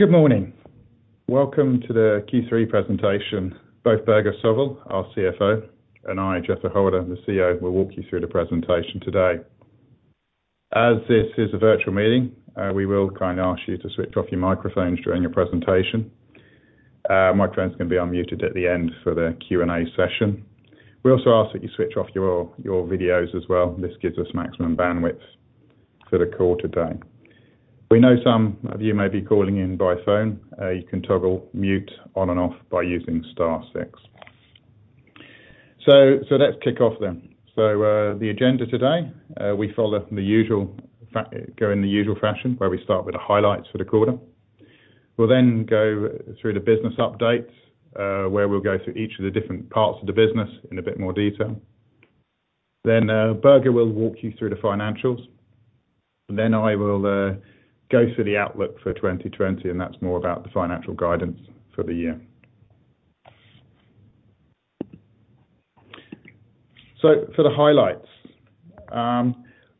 Good morning. Welcome to the Q3 presentation. Both Børge Sørvoll, our CFO, and I, Jethro Holter, the CEO, will walk you through the presentation today. As this is a virtual meeting, we will kindly ask you to switch off your microphones during the presentation. Microphones can be unmuted at the end for the Q and A session. We also ask that you switch off your videos as well. This gives us maximum bandwidth for the call today. We know some of you may be calling in by phone. You can toggle mute on and off by using star six. Let's kick off then. The agenda today, we go in the usual fashion where we start with the highlights for the quarter. We'll then go through the business update, where we'll go through each of the different parts of the business in a bit more detail. Børge will walk you through the financials, and then I will go through the outlook for 2020, and that's more about the financial guidance for the year. For the highlights,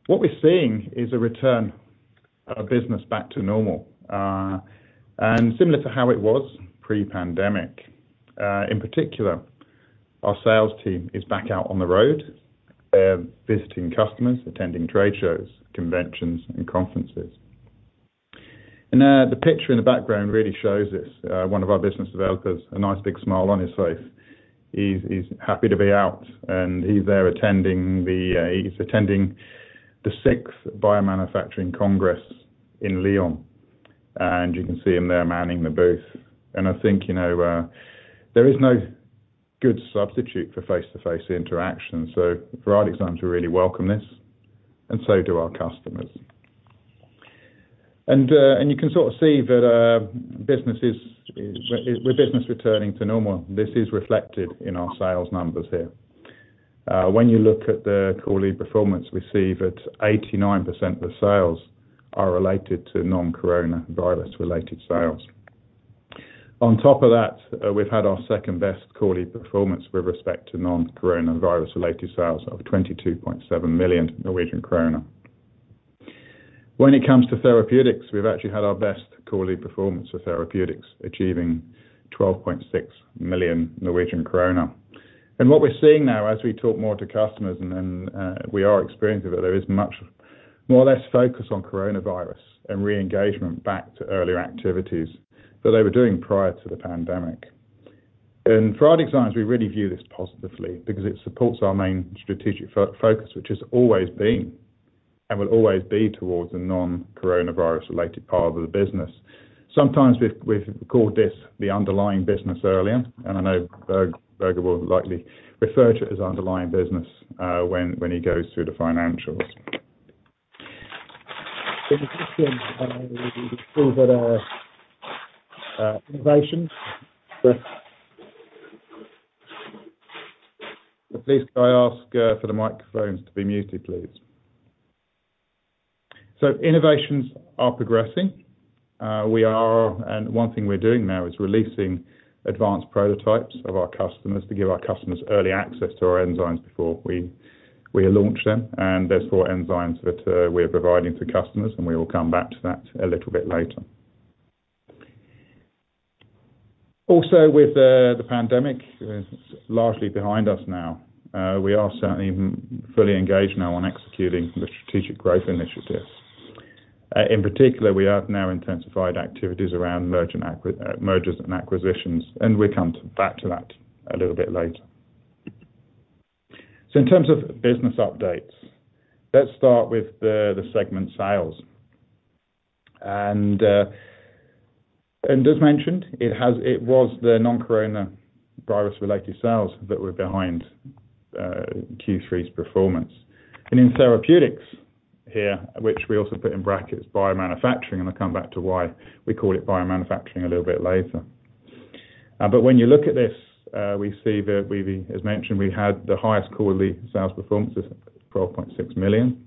what we're seeing is a return of business back to normal, and similar to how it was pre-pandemic. In particular, our sales team is back out on the road, visiting customers, attending trade shows, conventions, and conferences. The picture in the background really shows this, one of our business developers with a nice big smile on his face. He's happy to be out, and he's there attending the 6th Bioproduction Congress in Lyon. You can see him there manning the booth. I think, you know, there is no good substitute for face-to-face interaction. For ArcticZymes we really welcome this and so do our customers. You can sort of see that, with business returning to normal, this is reflected in our sales numbers here. When you look at the quarterly performance, we see that 89% of the sales are related to non-coronavirus related sales. On top of that, we've had our second-best quarterly performance with respect to non-coronavirus related sales of 22.7 million Norwegian krone. When it comes to therapeutics, we've actually had our best quarterly performance with therapeutics achieving 12.6 million Norwegian krone. What we're seeing now as we talk more to customers we are experiencing that there is much more or less focus on coronavirus and re-engagement back to earlier activities that they were doing prior to the pandemic. In vitro diagnostics, we really view this positively because it supports our main strategic focus, which has always been and will always be towards the non-coronavirus related part of the business. Sometimes we've called this the underlying business earlier, and I know Børge will likely refer to it as underlying business when he goes through the financials. Please, can I ask for the microphones to be muted, please. Innovations are progressing. One thing we're doing now is releasing advanced prototypes to our customers to give our customers early access to our enzymes before we launch them. There's four enzymes that we're providing to customers, and we will come back to that a little bit later. Also, with the pandemic largely behind us now, we are certainly fully engaged now on executing the strategic growth initiatives. In particular, we have now intensified activities around mergers and acquisitions, and we'll come back to that a little bit later. In terms of business updates, let's start with the segment sales. As mentioned, it was the non-coronavirus related sales that were behind Q3's performance. In therapeutics here, which we also put in brackets, biomanufacturing, and I'll come back to why we call it biomanufacturing a little bit later. When you look at this, we see that we've, as mentioned, had the highest quarterly sales performance of 12.6 million.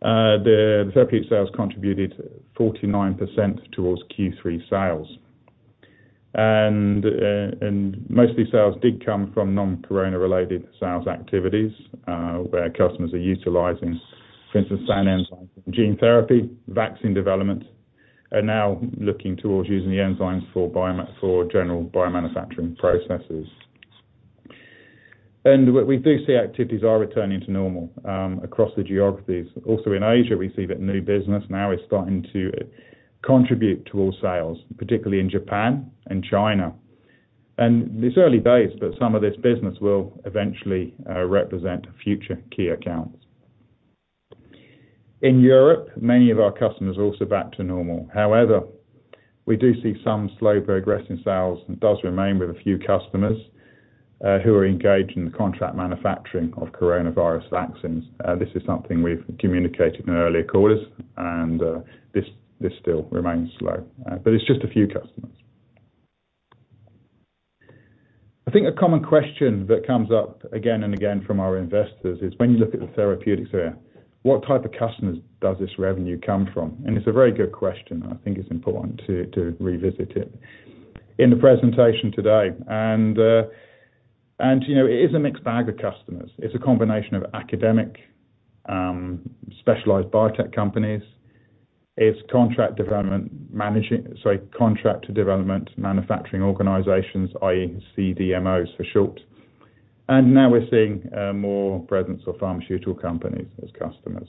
The therapeutic sales contributed 49% towards Q3 sales. Most of these sales did come from non-corona related sales activities, where customers are utilizing, for instance, enzyme gene therapy, vaccine development, and are now looking towards using the enzymes for general biomanufacturing processes. We do see activities are returning to normal across the geographies. Also in Asia, we see that new business now is starting to contribute to our sales, particularly in Japan and China. It's early days, but some of this business will eventually represent future key accounts. In Europe, many of our customers are also back to normal. However, we do see some slow progressing sales that remain with a few customers, who are engaged in the contract manufacturing of coronavirus vaccines. This is something we've communicated in earlier quarters, and this still remains slow, but it's just a few customers. I think a common question that comes up again and again from our investors is when you look at the therapeutics area, what type of customers does this revenue come from? It's a very good question. I think it's important to revisit it in the presentation today. You know, it is a mixed bag of customers. It's a combination of academic, specialized biotech companies. It's Contract Development Manufacturing Organizations, i.e., CDMOs for short. Now we're seeing more presence of pharmaceutical companies as customers.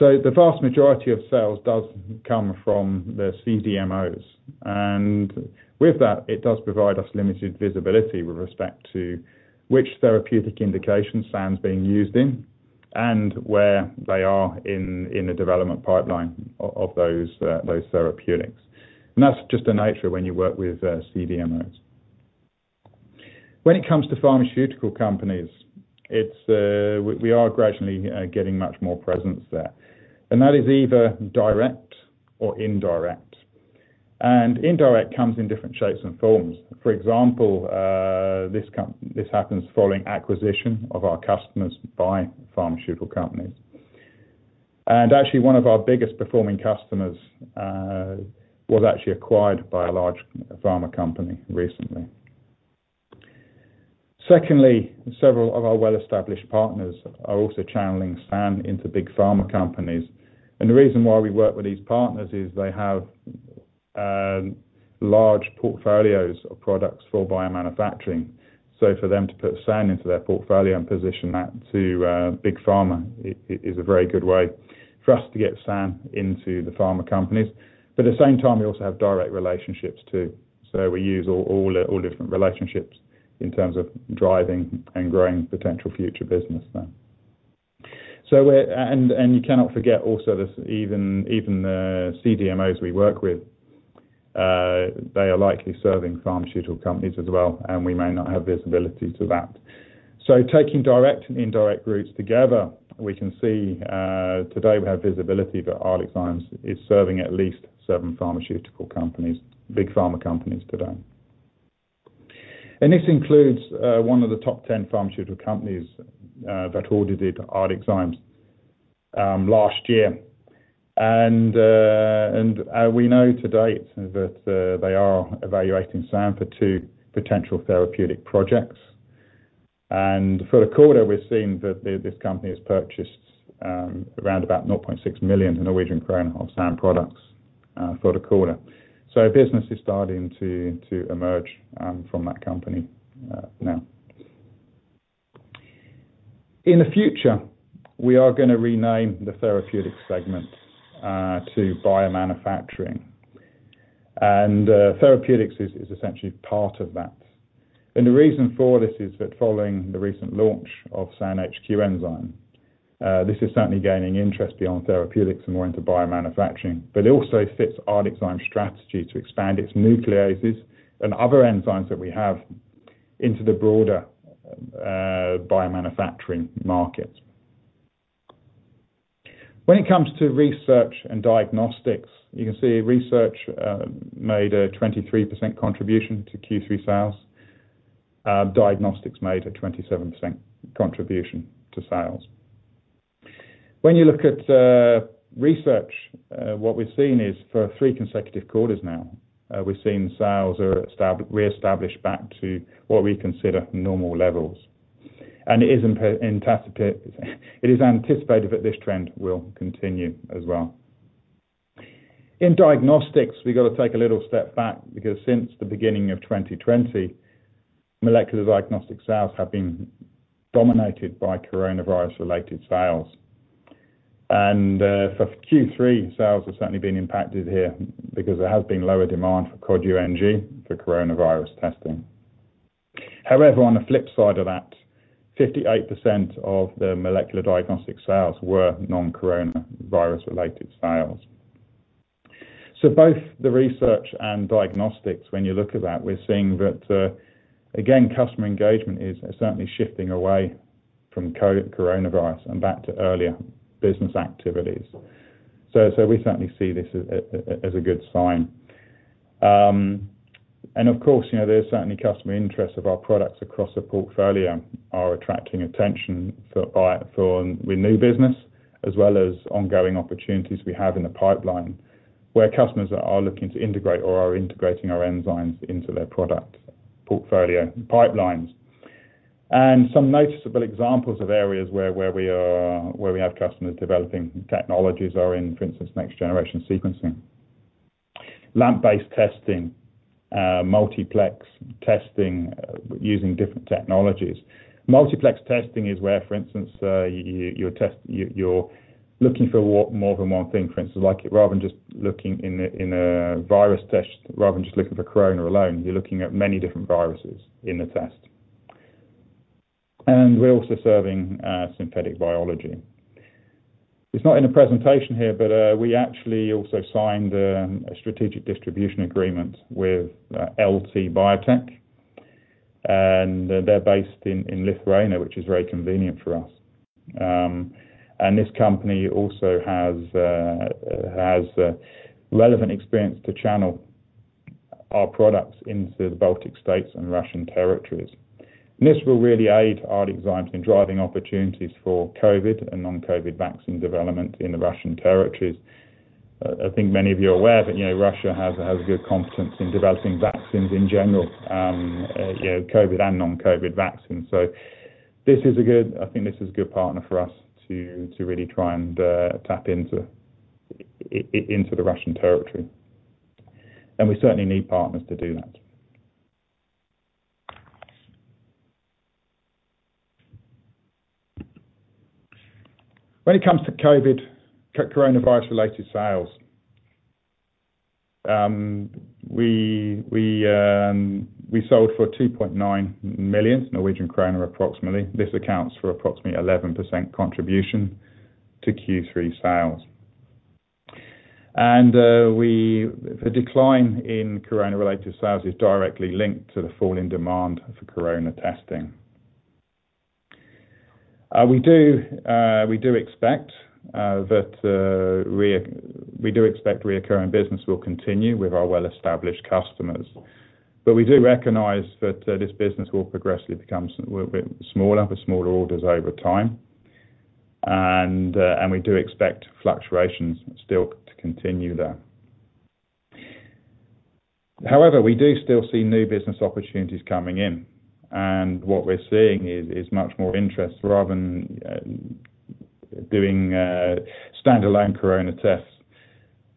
The vast majority of sales does come from the CDMOs, and with that, it does provide us limited visibility with respect to which therapeutic indication SAN's being used in and where they are in the development pipeline of those therapeutics. That's just the nature when you work with CDMOs. When it comes to pharmaceutical companies, it's we are gradually getting much more presence there, and that is either direct or indirect. Indirect comes in different shapes and forms. For example, this happens following acquisition of our customers by pharmaceutical companies. Actually one of our biggest performing customers was actually acquired by a large pharma company recently. Secondly, several of our well-established partners are also channeling SAN into big pharma companies. The reason why we work with these partners is they have large portfolios of products for biomanufacturing. For them to put SAN into their portfolio and position that to big pharma is a very good way for us to get SAN into the pharma companies. At the same time, we also have direct relationships too. We use all different relationships in terms of driving and growing potential future business there. You cannot forget also this, even the CDMOs we work with, they are likely serving pharmaceutical companies as well, and we may not have visibility to that. Taking direct and indirect routes together, we can see today we have visibility that ArcticZymes is serving at least seven pharmaceutical companies, big pharma companies today. This includes one of the top 10 pharmaceutical companies that ordered from ArcticZymes last year. We know to date that they are evaluating SAN for two potential therapeutic projects. For the quarter, we're seeing that this company has purchased around 0.6 million of SAN products for the quarter. Business is starting to emerge from that company now. In the future, we are gonna rename the therapeutics segment to biomanufacturing. Therapeutics is essentially part of that. The reason for this is that following the recent launch of SAN HQ enzyme, this is certainly gaining interest beyond therapeutics and more into biomanufacturing. It also fits ArcticZymes' strategy to expand its nucleases and other enzymes that we have into the broader biomanufacturing markets. When it comes to research and diagnostics, you can see research made a 23% contribution to Q3 sales. Diagnostics made a 27% contribution to sales. When you look at research, what we've seen is for three consecutive quarters now, we've seen sales are reestablished back to what we consider normal levels. It is anticipated that this trend will continue as well. In diagnostics, we've got to take a little step back because since the beginning of 2020, molecular diagnostic sales have been dominated by coronavirus-related sales. For Q3, sales have certainly been impacted here because there has been lower demand for Cod-UNG for coronavirus testing. However, on the flip side of that, 58% of the molecular diagnostic sales were non-coronavirus related sales. Both the research and diagnostics, when you look at that, we're seeing that, again, customer engagement is certainly shifting away from coronavirus and back to earlier business activities. We certainly see this as a good sign. Of course, you know, there's certainly customer interest in our products across the portfolio are attracting attention for new business, as well as ongoing opportunities we have in the pipeline where customers are looking to integrate or are integrating our enzymes into their product portfolio pipelines. Some noticeable examples of areas where we have customers developing technologies are in, for instance, next-generation sequencing, LAMP-based testing, multiplex testing using different technologies. Multiplex testing is where, for instance, you're looking for more than one thing. For instance, like rather than just looking in a virus test, rather than just looking for corona alone, you're looking at many different viruses in the test. We're also serving synthetic biology. It's not in the presentation here, but we actually also signed a strategic distribution agreement with LT Biotech, and they're based in Lithuania, which is very convenient for us. This company also has relevant experience to channel our products into the Baltic States and Russian territories. This will really aid ArcticZymes in driving opportunities for COVID and non-COVID vaccine development in the Russian territories. I think many of you are aware that, you know, Russia has a good competence in developing vaccines in general, you know, COVID and non-COVID vaccines. I think this is a good partner for us to really try and tap into the Russian territory. We certainly need partners to do that. When it comes to COVID coronavirus related sales, we sold for 2.9 million Norwegian kroner approximately. This accounts for approximately 11% contribution to Q3 sales. The decline in corona related sales is directly linked to the fall in demand for corona testing. We expect recurring business will continue with our well-established customers. We recognize that this business will progressively become a little bit smaller with smaller orders over time. We expect fluctuations still to continue there. However, we do still see new business opportunities coming in, and what we're seeing is much more interest rather than doing standalone corona tests,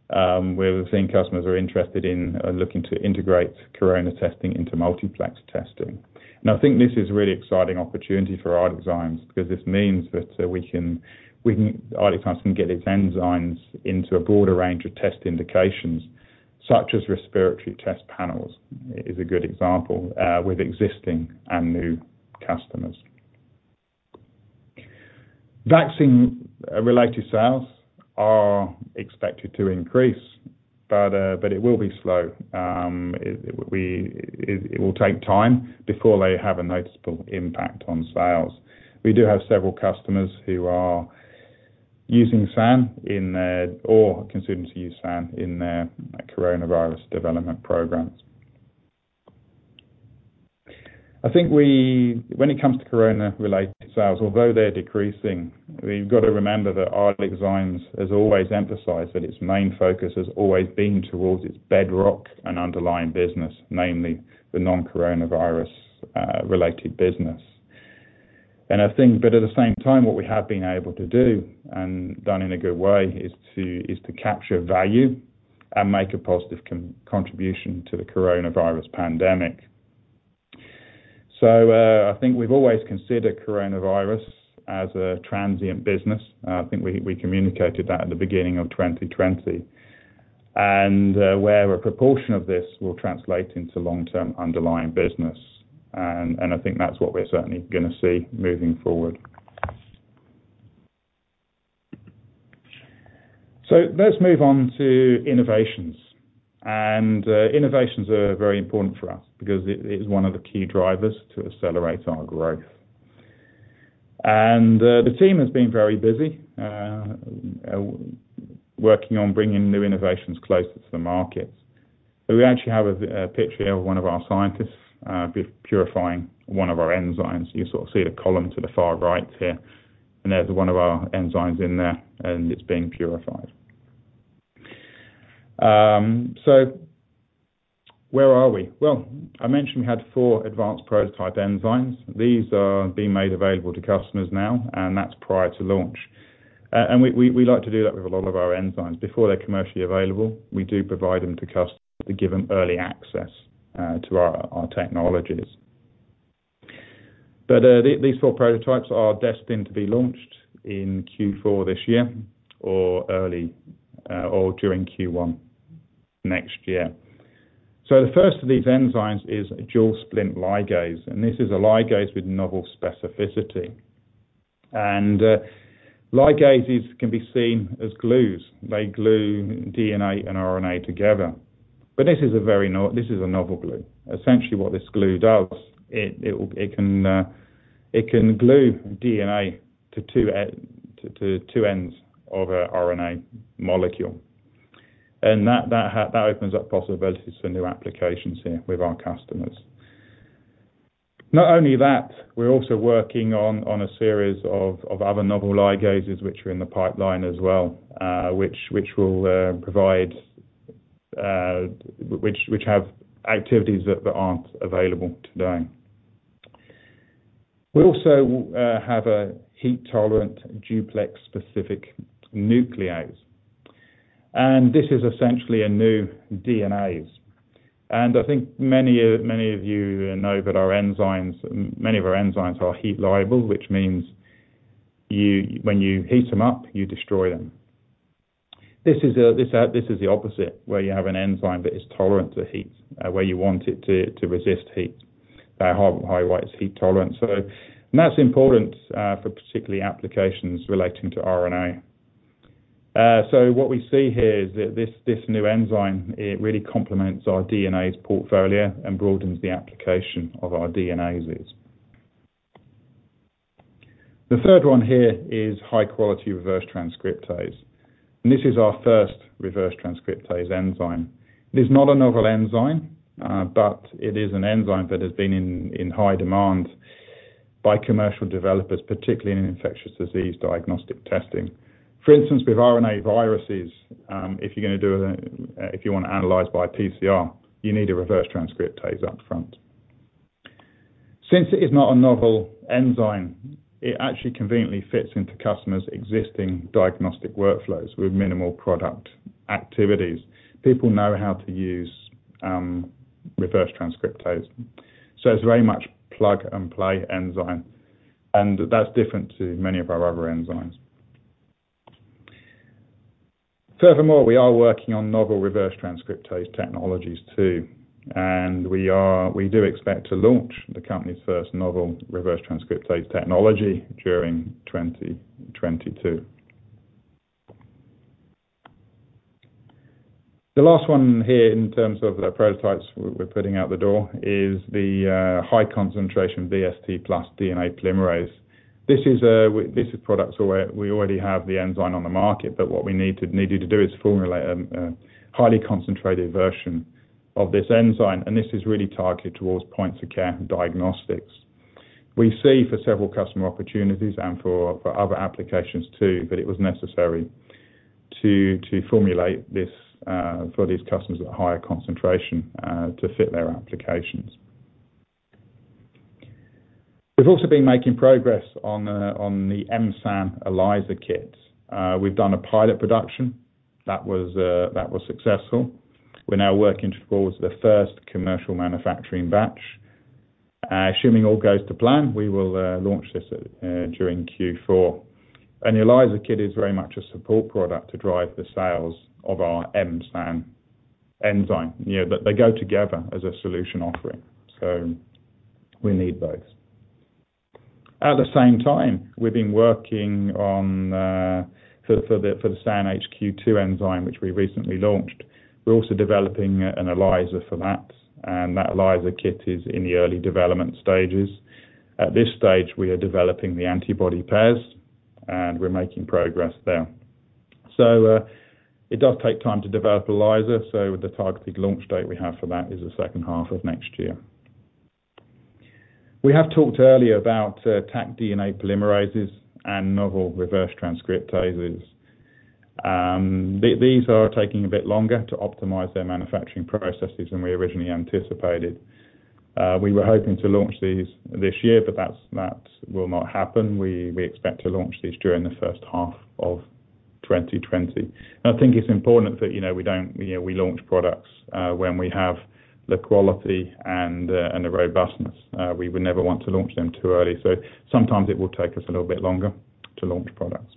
where we're seeing customers are interested in looking to integrate corona testing into multiplex testing. I think this is a really exciting opportunity for ArcticZymes because this means that ArcticZymes can get its enzymes into a broader range of test indications, such as respiratory test panels is a good example, with existing and new customers. Vaccine-related sales are expected to increase, but it will be slow. It will take time before they have a noticeable impact on sales. We do have several customers who are using SAN in their, or considering to use SAN in their coronavirus development programs. When it comes to corona related sales, although they're decreasing, we've got to remember that ArcticZymes Technologies has always emphasized that its main focus has always been towards its bedrock and underlying business, namely the non-coronavirus related business. At the same time, what we have been able to do, and done in a good way, is to capture value and make a positive contribution to the coronavirus pandemic. I think we've always considered coronavirus as a transient business. I think we communicated that at the beginning of 2020. Where a proportion of this will translate into long-term underlying business. I think that's what we're certainly gonna see moving forward. Let's move on to innovations. Innovations are very important for us because it is one of the key drivers to accelerate our growth. The team has been very busy working on bringing new innovations closer to the markets. We actually have a picture here of one of our scientists purifying one of our enzymes. You sort of see the column to the far right here, and there's one of our enzymes in there, and it's being purified. Well, where are we? Well, I mentioned we had four advanced prototype enzymes. These are being made available to customers now, and that's prior to launch. We like to do that with a lot of our enzymes. Before they're commercially available, we do provide them to give them early access to our technologies. These four prototypes are destined to be launched in Q4 this year or early, or during Q1 next year. The first of these enzymes is a Dual Splint Ligase, and this is a ligase with novel specificity. Ligases can be seen as glues. They glue DNA and RNA together. This is a novel glue. Essentially what this glue does, it can glue DNA to two ends of a RNA molecule. That opens up possibilities for new applications here with our customers. Not only that, we're also working on a series of other novel ligases which are in the pipeline as well, which have activities that aren't available today. We also have a Heat-Tolerant Duplex-Specific Nuclease. This is essentially a new DNase. I think many of you know that our enzymes, many of our enzymes are heat-labile, which means when you heat them up, you destroy them. This is the opposite, where you have an enzyme that is tolerant to heat, where you want it to resist heat. HT is heat tolerant. That's important for particular applications relating to RNA. What we see here is that this new enzyme, it really complements our DNase portfolio and broadens the application of our DNases. The third one here is High-Quality Reverse Transcriptase, and this is our first reverse transcriptase enzyme. It is not a novel enzyme, but it is an enzyme that has been in high demand by commercial developers, particularly in infectious disease diagnostic testing. For instance, with RNA viruses, if you wanna analyze by PCR, you need a reverse transcriptase up front. Since it is not a novel enzyme, it actually conveniently fits into customers' existing diagnostic workflows with minimal product activities. People know how to use reverse transcriptase. It's very much plug and play enzyme, and that's different to many of our other enzymes. Furthermore, we are working on novel reverse transcriptase technologies too, and we do expect to launch the company's first novel reverse transcriptase technology during 2022. The last one here in terms of the prototypes we're putting out the door is the high concentration BST+ DNA polymerase. This is products where we already have the enzyme on the market, but what we needed to do is formulate a highly concentrated version of this enzyme, and this is really targeted towards point-of-care diagnostics. We see for several customer opportunities and for other applications too, that it was necessary to formulate this for these customers at a higher concentration to fit their applications. We've also been making progress on the M-SAN ELISA kits. We've done a pilot production that was successful. We're now working towards the first commercial manufacturing batch. Assuming all goes to plan, we will launch this during Q4. An ELISA kit is very much a support product to drive the sales of our M-SAN enzyme. You know, they go together as a solution offering, so we need both. At the same time, we've been working on the SAN HQ2 enzyme, which we recently launched. We're also developing an ELISA for that, and that ELISA kit is in the early development stages. At this stage, we are developing the antibody pairs, and we're making progress there. So, it does take time to develop ELISA, so the targeted launch date we have for that is the second half of next year. We have talked earlier about AZtaq DNA Polymerase and novel reverse transcriptases. These are taking a bit longer to optimize their manufacturing processes than we originally anticipated. We were hoping to launch these this year, but that will not happen. We expect to launch these during the first half of 2020. I think it's important that, you know, we don't, you know, we launch products when we have the quality and the robustness. We would never want to launch them too early. Sometimes it will take us a little bit longer to launch products.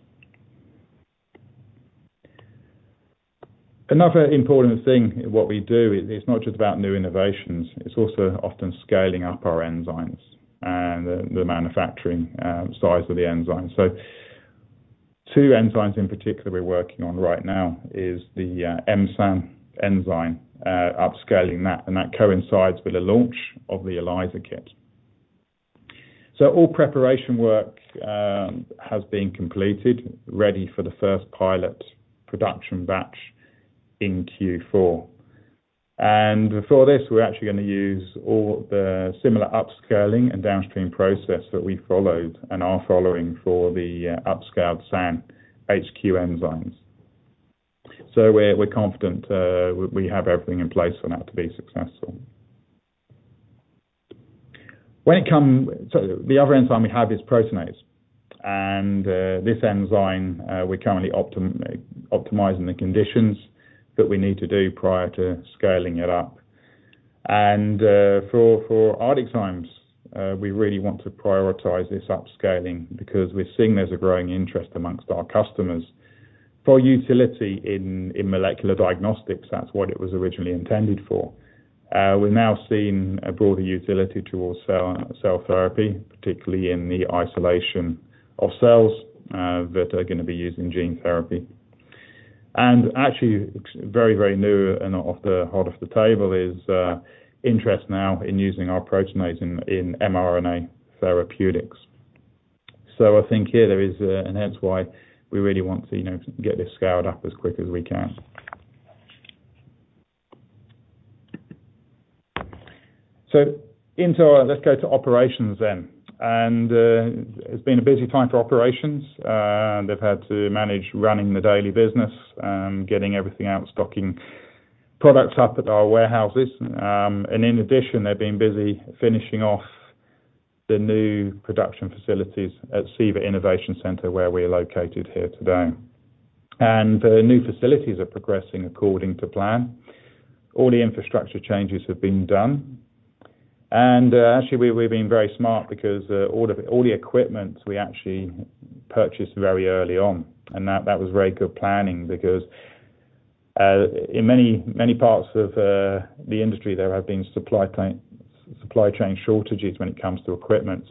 Another important thing, what we do is it's not just about new innovations, it's also often scaling up our enzymes and the manufacturing size of the enzymes. Two enzymes in particular we're working on right now is the M-SAN enzyme, upscaling that, and that coincides with the launch of the ELISA kit. All preparation work has been completed ready for the first pilot production batch in Q4. For this, we're actually gonna use all the similar upscaling and downstream process that we followed and are following for the upscaled SAN HQ enzymes. We're confident we have everything in place for that to be successful. The other enzyme we have is proteinase. This enzyme, we're currently optimizing the conditions that we need to do prior to scaling it up. For ArcticZymes, we really want to prioritize this upscaling because we're seeing there's a growing interest amongst our customers for utility in molecular diagnostics. That's what it was originally intended for. We've now seen a broader utility towards cell therapy, particularly in the isolation of cells that are gonna be used in gene therapy. Actually, it's very new and hot off the table is interest now in using our proteinase in mRNA therapeutics. I think here there is and hence why we really want to, you know, get this scaled up as quick as we can. Let's go to operations then. It's been a busy time for operations, and they've had to manage running the daily business, getting everything out, stocking products up at our warehouses. In addition, they've been busy finishing off the new production facilities at SIVA Innovation Centre, where we're located here today. The new facilities are progressing according to plan. All the infrastructure changes have been done. Actually we're being very smart because all the equipment we actually purchased very early on, and that was very good planning because in many parts of the industry, there have been supply chain shortages when it comes to equipment.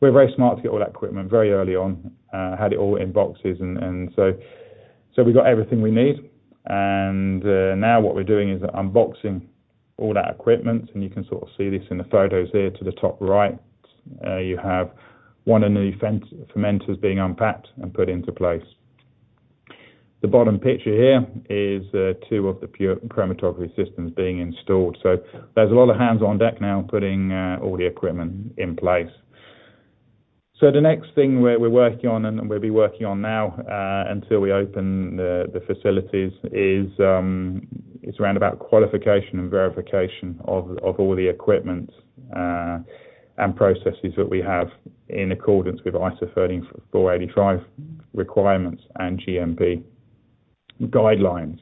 We're very smart to get all that equipment very early on, had it all in boxes and so we got everything we need. Now what we're doing is unboxing all that equipment, and you can sort of see this in the photos there to the top right. You have one of the fermenters being unpacked and put into place. The bottom picture here is two of the pure chromatography systems being installed. There's a lot of hands on deck now putting all the equipment in place. The next thing we're working on and we'll be working on now until we open the facilities is around about qualification and verification of all the equipment and processes that we have in accordance with ISO 13485 requirements and GMP guidelines.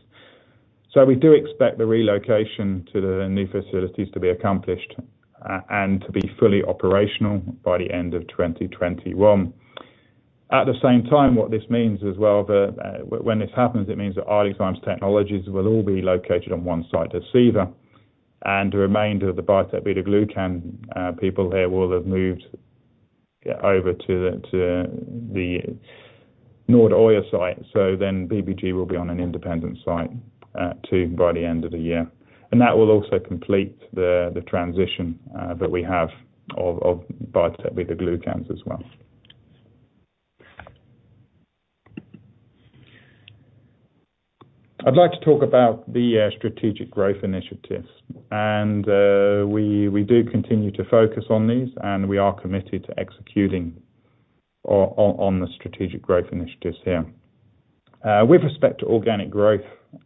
We do expect the relocation to the new facilities to be accomplished and to be fully operational by the end of 2021. At the same time, what this means as well, when this happens, it means that ArcticZymes Technologies will all be located on one site at SIVA, and the remainder of the Biotec BetaGlucans people here will have moved over to the Nordøya site. Then BBG will be on an independent site too, by the end of the year. That will also complete the transition that we have of Biotec BetaGlucans as well. I'd like to talk about the strategic growth initiatives. We do continue to focus on these, and we are committed to executing on the strategic growth initiatives here. With respect to organic growth,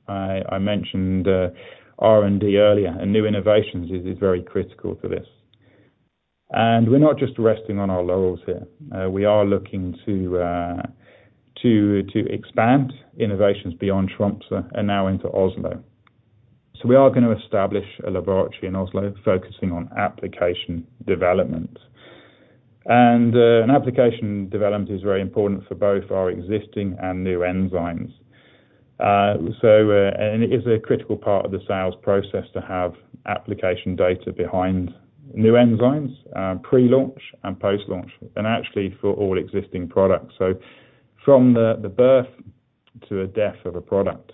I mentioned R&D earlier, and new innovations is very critical to this. We're not just resting on our laurels here. We are looking to expand innovations beyond Tromsø and now into Oslo. We are gonna establish a laboratory in Oslo focusing on application development. Application development is very important for both our existing and new enzymes. It is a critical part of the sales process to have application data behind new enzymes, pre-launch and post-launch, and actually for all existing products. From the birth to the death of a product,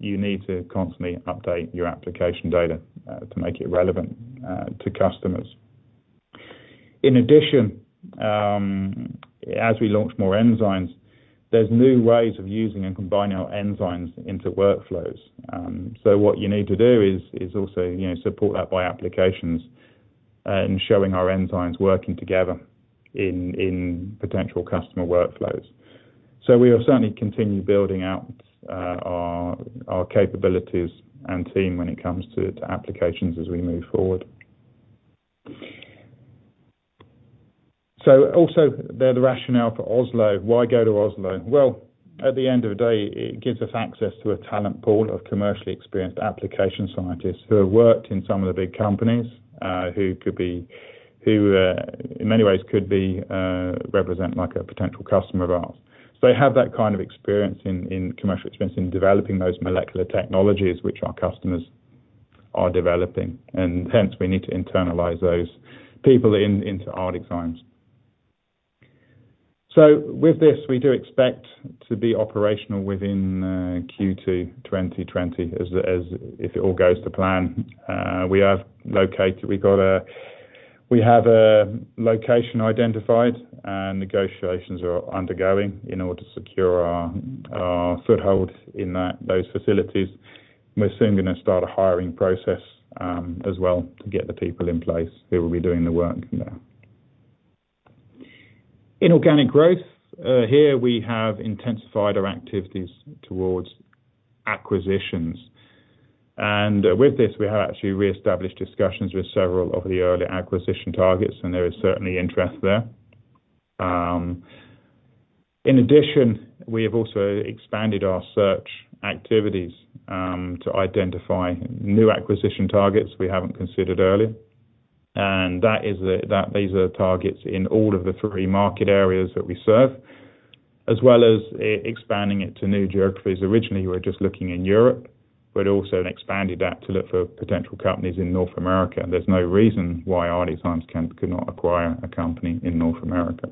you need to constantly update your application data to make it relevant to customers. In addition, as we launch more enzymes, there's new ways of using and combining our enzymes into workflows. What you need to do is also, you know, support that by applications and showing our enzymes working together in potential customer workflows. We'll certainly continue building out our capabilities and team when it comes to applications as we move forward. Also there, the rationale for Oslo. Why go to Oslo? Well, at the end of the day, it gives us access to a talent pool of commercially experienced application scientists who have worked in some of the big companies, who could be, in many ways could be, represent like a potential customer of ours. So they have that kind of experience in commercial experience in developing those molecular technologies which our customers are developing. Hence, we need to internalize those people into ArcticZymes. With this, we do expect to be operational within Q2 2020, as if it all goes to plan. We have a location identified and negotiations are undergoing in order to secure our foothold in those facilities. We're soon gonna start a hiring process, as well to get the people in place who will be doing the work there. In organic growth, here we have intensified our activities towards acquisitions. With this, we have actually reestablished discussions with several of the early acquisition targets, and there is certainly interest there. In addition, we have also expanded our search activities to identify new acquisition targets we haven't considered earlier. That these are targets in all of the three market areas that we serve, as well as expanding it to new geographies. Originally, we were just looking in Europe, but also expanded that to look for potential companies in North America. There's no reason why ArcticZymes could not acquire a company in North America.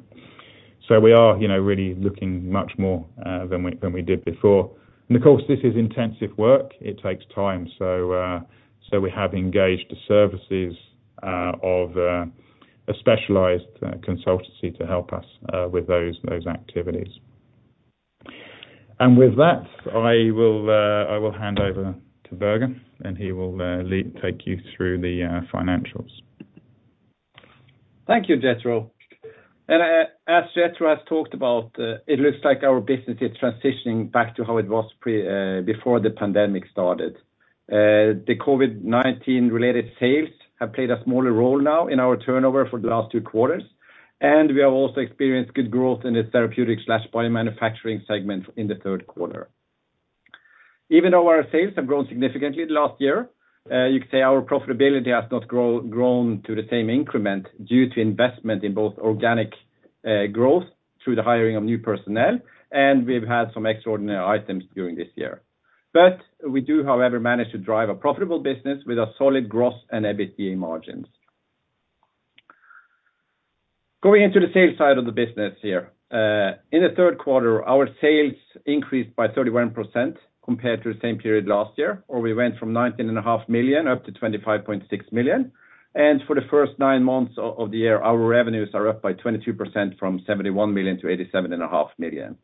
We are, you know, really looking much more than we did before. Of course, this is intensive work. It takes time. We have engaged the services of a specialized consultancy to help us with those activities. With that, I will hand over to Børge, and he will take you through the financials. Thank you, Jethro. As Jethro has talked about, it looks like our business is transitioning back to how it was before the pandemic started. The COVID-19 related sales have played a smaller role now in our turnover for the last two quarters, and we have also experienced good growth in the therapeutic/biomanufacturing segment in the third quarter. Even though our sales have grown significantly the last year, you could say our profitability has not grown to the same increment due to investment in both organic growth through the hiring of new personnel, and we've had some extraordinary items during this year. We do, however, manage to drive a profitable business with a solid gross and EBITDA margins. Going into the sales side of the business here. In the third quarter, our sales increased by 31% compared to the same period last year, or we went from 19.5 million up to 25.6 million. For the first nine months of the year, our revenues are up by 22% from 71 million to 87.5 million.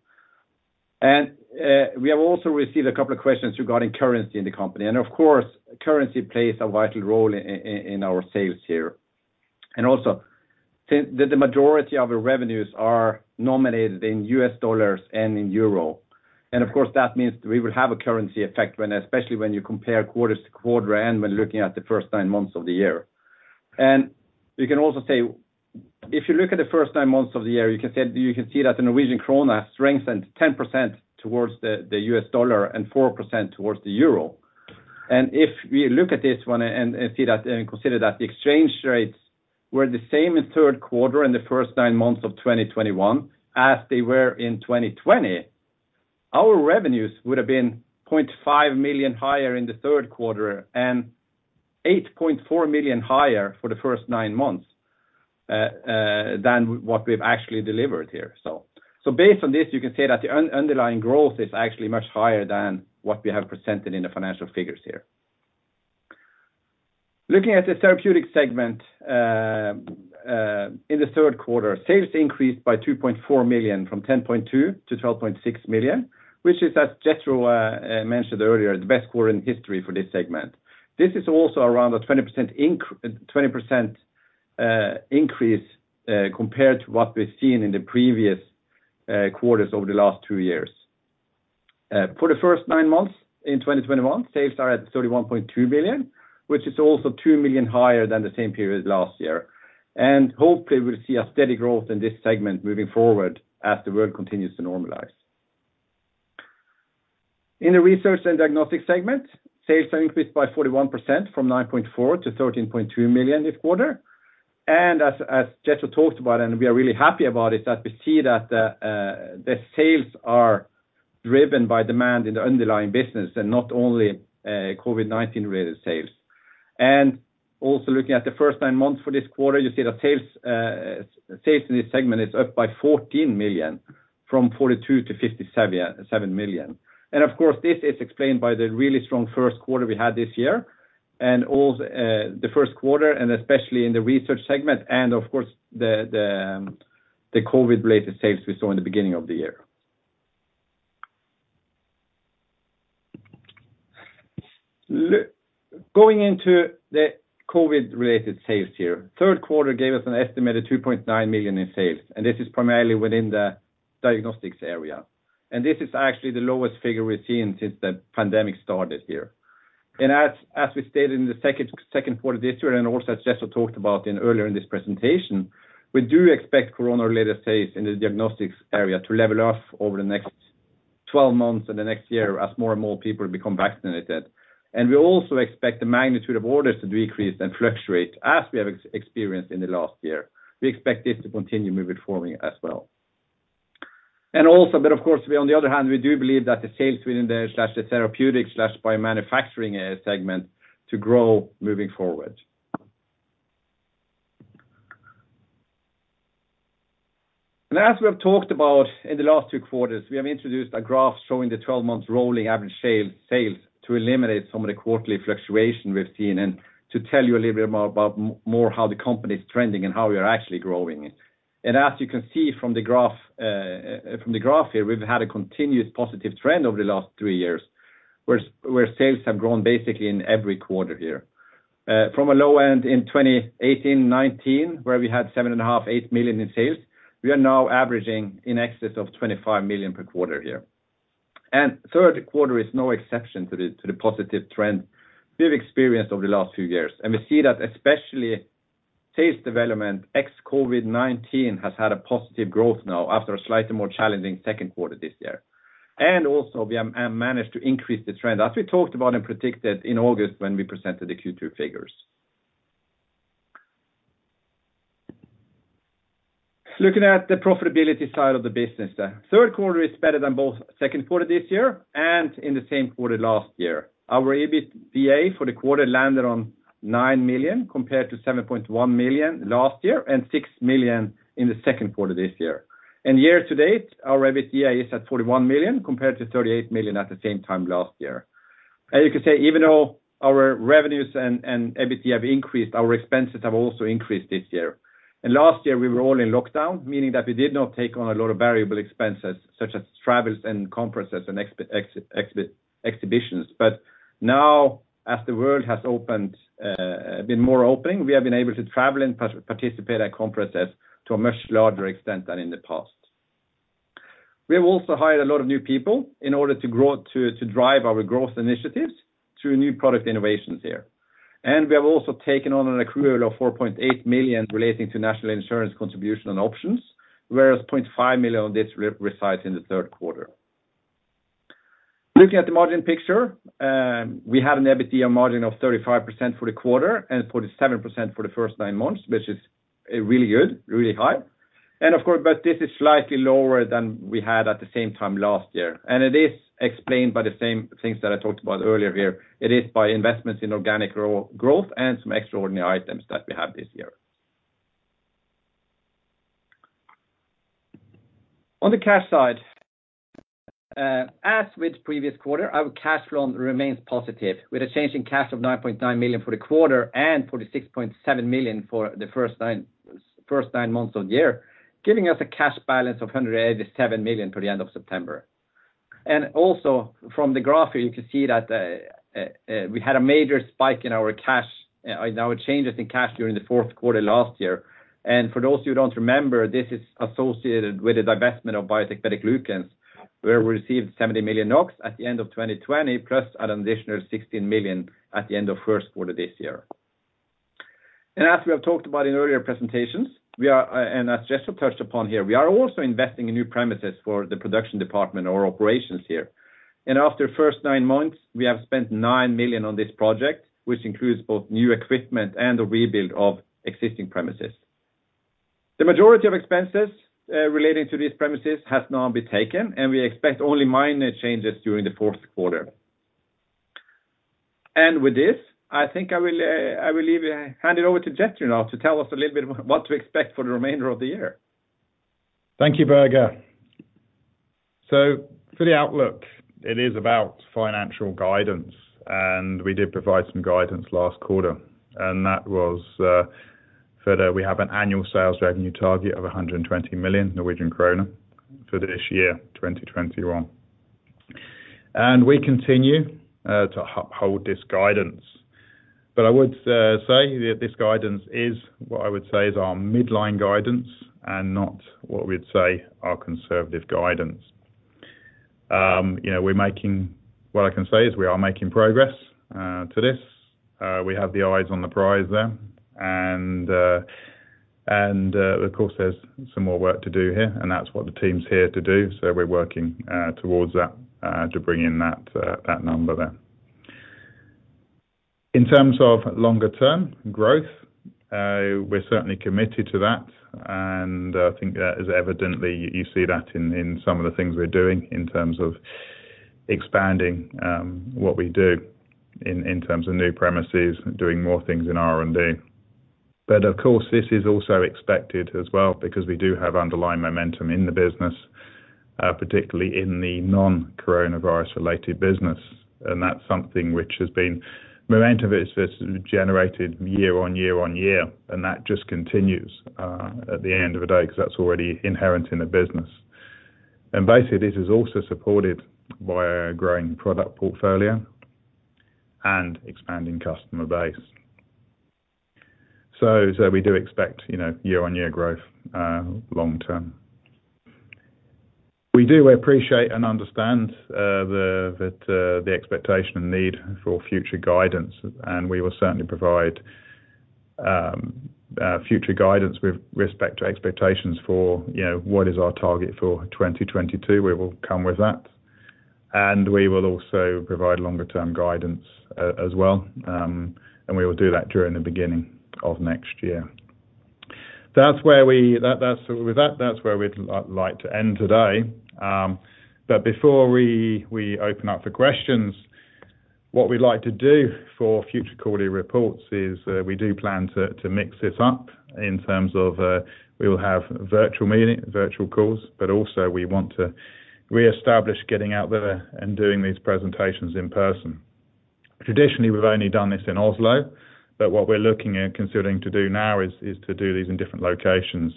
We have also received a couple of questions regarding currency in the company. Of course, currency plays a vital role in our sales here. Also, the majority of the revenues are nominated in US dollars and in Euro. Of course, that means we will have a currency effect when especially when you compare quarter to quarter and when looking at the first nine months of the year. You can also say, if you look at the first nine months of the year, you can say, you can see that the Norwegian kroner strengthened 10% towards the US dollar and 4% towards the Euro. If we look at this one and see that, and consider that the exchange rates were the same in third quarter and the first nine months of 2021 as they were in 2020, our revenues would have been 0.5 million higher in the third quarter and 8.4 million higher for the first nine months than what we've actually delivered here. Based on this, you can say that the underlying growth is actually much higher than what we have presented in the financial figures here. Looking at the therapeutic segment, in the third quarter, sales increased by 2.4 million from 10.2-12.6 million, which is, as Jethro mentioned earlier, the best quarter in history for this segment. This is also around a 20% increase compared to what we've seen in the previous quarters over the last two years. For the first nine months in 2021, sales are at 31.2 million, which is also 2 million higher than the same period last year. Hopefully, we'll see a steady growth in this segment moving forward as the world continues to normalize. In the research and diagnostic segment, sales have increased by 41% from 9.4-13.2 million this quarter. As Jethro talked about, we are really happy about it, that we see that the sales are driven by demand in the underlying business and not only COVID-19 related sales. Also looking at the first nine months for this quarter, you see that sales in this segment is up by 14 million from 42 million to 57 million. Of course, this is explained by the really strong first quarter we had this year, and all the first quarter and especially in the research segment, and of course, the COVID-related sales we saw in the beginning of the year. Going into the COVID-related sales here, third quarter gave us an estimated 2.9 million in sales, and this is primarily within the diagnostics area. This is actually the lowest figure we've seen since the pandemic started here. As we stated in the second quarter this year, and also as Jethro talked about earlier in this presentation, we do expect corona-related sales in the diagnostics area to level off over the next 12 months or the next year as more and more people become vaccinated. We also expect the magnitude of orders to decrease and fluctuate as we have experienced in the last year. We expect this to continue moving forward as well. Of course, on the other hand, we do believe that the sales within the therapeutic/biomanufacturing segment to grow moving forward. As we have talked about in the last two quarters, we have introduced a graph showing the 12 months rolling average sales to eliminate some of the quarterly fluctuation we've seen and to tell you a little bit more about how the company is trending and how we are actually growing. As you can see from the graph here, we've had a continuous positive trend over the last three years, where sales have grown basically in every quarter here. From a low end in 2018, 2019, where we had 7.5-8 million in sales, we are now averaging in excess of 25 million per quarter here. Third quarter is no exception to the positive trend we've experienced over the last few years. We see that especially sales development ex COVID-19 has had a positive growth now after a slightly more challenging second quarter this year. We have managed to increase the trend, as we talked about and predicted in August when we presented the Q2 figures. Looking at the profitability side of the business. Third quarter is better than both second quarter this year and in the same quarter last year. Our EBITDA for the quarter landed on 9 million compared to 7.1 million last year and 6 million in the second quarter this year. Year-to-date, our EBITDA is at 41 million compared to 38 million at the same time last year. As you can see, even though our revenues and EBIT have increased, our expenses have also increased this year. Last year, we were all in lockdown, meaning that we did not take on a lot of variable expenses such as travels and conferences and exhibitions. Now, as the world has been opening more, we have been able to travel and participate at conferences to a much larger extent than in the past. We have also hired a lot of new people in order to grow, to drive our growth initiatives through new product innovations here. We have also taken on an accrual of 4.8 million relating to national insurance contribution and options, whereas 0.5 million of this resides in the third quarter. Looking at the margin picture, we had an EBITDA margin of 35% for the quarter and 47% for the first nine months, which is really good, really high. Of course, but this is slightly lower than we had at the same time last year. It is explained by the same things that I talked about earlier here, by investments in organic growth and some extraordinary items that we have this year. On the cash side, as with previous quarter, our cash flow remains positive, with a change in cash of 9.9 million for the quarter and 46.7 million for the first nine months of the year, giving us a cash balance of 187 million for the end of September. Also from the graph here, you can see that we had a major spike in our cash in our changes in cash during the fourth quarter last year. For those who don't remember, this is associated with the divestment of Biotec BetaGlucans, where we received 70 million NOK at the end of 2020, plus an additional 16 million at the end of first quarter this year. As we have talked about in earlier presentations, we are, and as Jethro touched upon here, we are also investing in new premises for the production department or operations here. After the first nine months, we have spent 9 million on this project, which includes both new equipment and the rebuild of existing premises. The majority of expenses relating to these premises has now been taken, and we expect only minor changes during the fourth quarter. With this, I think I will hand it over to Jethro now to tell us a little bit about what to expect for the remainder of the year. Thank you, Børge. For the outlook, it is about financial guidance, and we did provide some guidance last quarter. That was we have an annual sales revenue target of 120 million Norwegian krone for this year, 2021. We continue to hold this guidance. I would say that this guidance is what I would say is our midline guidance and not what we'd say our conservative guidance. You know, What I can say is we are making progress to this. We have the eyes on the prize there. Of course, there's some more work to do here, and that's what the team's here to do. We're working towards that to bring in that number there. In terms of longer-term growth, we're certainly committed to that. I think that is evident. You see that in some of the things we're doing in terms of expanding what we do in terms of new premises, doing more things in R&D. Of course, this is also expected as well because we do have underlying momentum in the business, particularly in the non-coronavirus related business. That's something. Momentum is generated year on year on year, and that just continues at the end of the day because that's already inherent in the business. Basically, this is also supported by a growing product portfolio and expanding customer base. We do expect, you know, year-on-year growth long term. We do appreciate and understand that the expectation and need for future guidance, and we will certainly provide future guidance with respect to expectations for, you know, what is our target for 2022. We will come with that. We will also provide longer-term guidance as well. We will do that during the beginning of next year. That's where we'd like to end today. But before we open up for questions, what we'd like to do for future quarterly reports is we do plan to mix this up in terms of we will have virtual meeting, virtual calls, but also we want to reestablish getting out there and doing these presentations in person. Traditionally, we've only done this in Oslo, but what we're looking and considering to do now is to do these in different locations.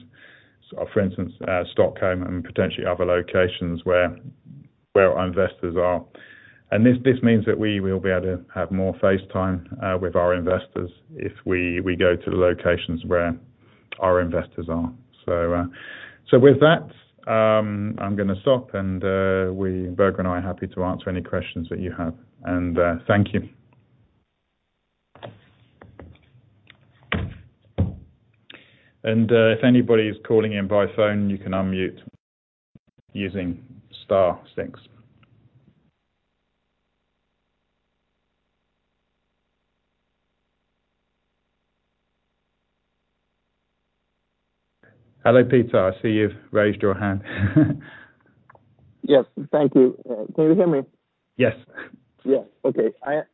For instance, Stockholm and potentially other locations where our investors are. This means that we will be able to have more face time with our investors if we go to the locations where our investors are. With that, I'm gonna stop and Børge Sørvoll and I are happy to answer any questions that you have. Thank you. If anybody is calling in by phone, you can unmute using star six. Hello, Peter Östling. I see you've raised your hand. Yes. Thank you. Can you hear me? Yes.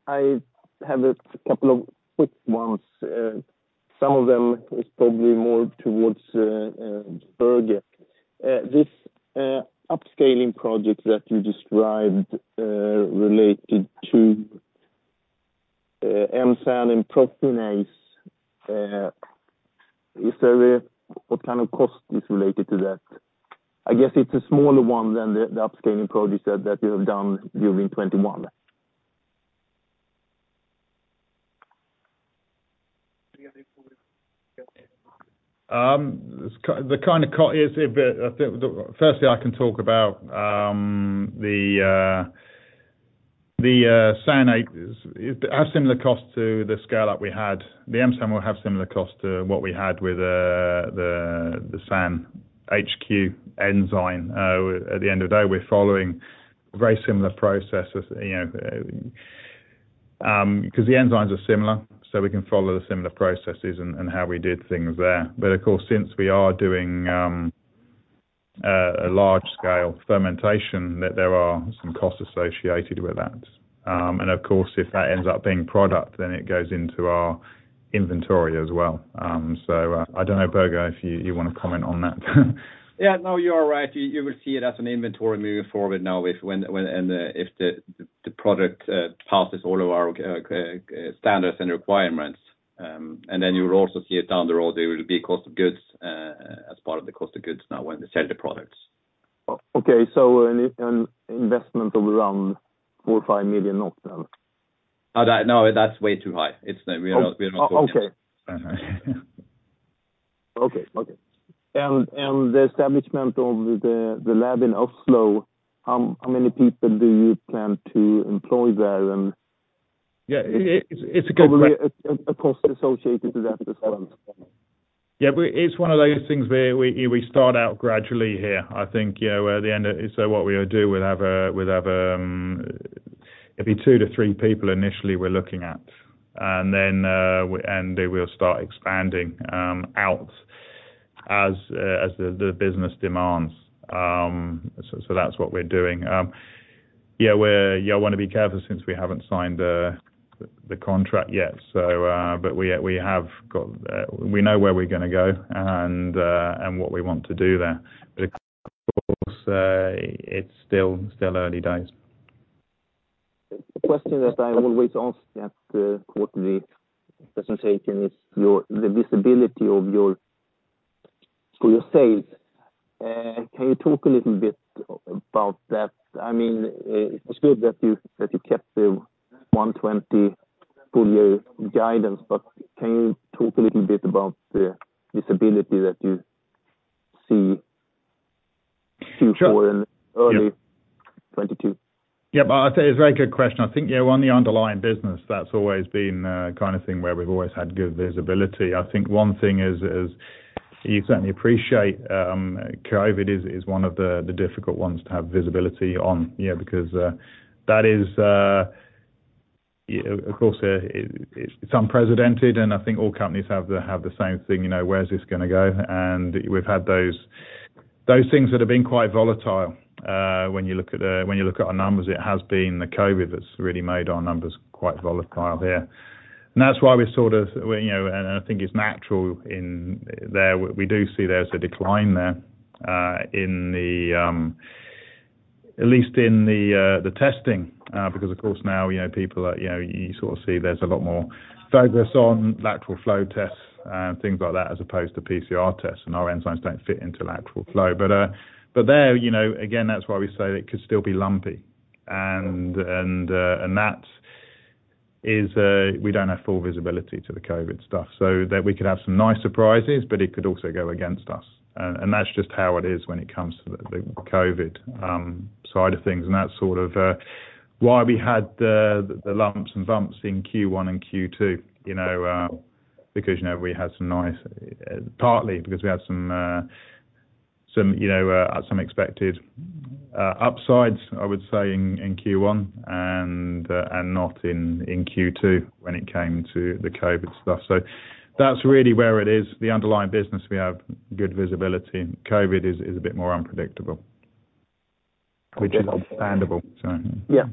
I have a couple of quick ones. Some of them is probably more towards Børge. This upscaling project that you described related to M-SAN and proteinase, what kind of cost is related to that? I guess it's a smaller one than the upscaling projects that you have done during 2021. Firstly, I can talk about the SAN. It has similar cost to the scale-up we had. The M-SAN HQ will have similar cost to what we had with the SAN HQ enzyme. At the end of the day, we're following very similar processes, you know. Because the enzymes are similar, so we can follow the similar processes and how we did things there. But of course, since we are doing a large scale fermentation that there are some costs associated with that. Of course, if that ends up being product, then it goes into our inventory as well. I don't know, Børge, if you wanna comment on that. Yeah, no, you are right. You will see it as an inventory moving forward now with when and if the product passes all of our standards and requirements. Then you'll also see it down the road. There will be cost of goods as part of the cost of goods now when they sell the products. Okay. An investment of around 4 or 5 million then? No, that's way too high. It's not. We're not. Oh, okay. Uh-uh. Okay. The establishment of the lab in Oslo, how many people do you plan to employ there? Yeah. It's a good que- Probably a cost associated to that as well. Yeah, it's one of those things where we start out gradually here. I think you know, at the end of it, what we'll do, it'll be 2-3 people initially we're looking at. Then they will start expanding out as the business demands. So that's what we're doing. Yeah, you all wanna be careful since we haven't signed the contract yet. But we know where we're gonna go and what we want to do there. But of course, it's still early days. The question that I always ask at the presentation is the visibility for your sales. Can you talk a little bit about that? I mean, it's good that you kept the 120 full year guidance. Can you talk a little bit about the visibility that you see? Sure. See for early 2022? I'd say it's a very good question. I think, you know, on the underlying business, that's always been the kind of thing where we've always had good visibility. I think one thing is you certainly appreciate, COVID is one of the difficult ones to have visibility on. You know, because that is of course it's unprecedented, and I think all companies have the same thing, you know, where is this gonna go? We've had those things that have been quite volatile. When you look at our numbers, it has been the COVID that's really made our numbers quite volatile there. That's why we sort of, you know, I think it's natural in there. We do see there's a decline there in at least the testing because of course now you know people are you know you sort of see there's a lot more focus on lateral flow tests and things like that as opposed to PCR tests and our enzymes don't fit into lateral flow. There you know again that's why we say it could still be lumpy. That is we don't have full visibility to the COVID stuff. That we could have some nice surprises but it could also go against us. That's just how it is when it comes to the COVID side of things. That's sort of why we had the lumps and bumps in Q1 and Q2, you know, because you know, partly because we had some expected upsides, I would say, in Q1 and not in Q2 when it came to the COVID stuff. That's really where it is. The underlying business, we have good visibility. COVID is a bit more unpredictable, which is understandable. Yeah.